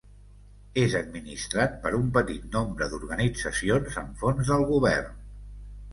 És administrat per un petit nombre d'organitzacions amb fons del govern.